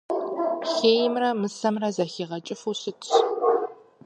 Хеймрэ мысэмрэ зэхигъэкӀыфу щытщ.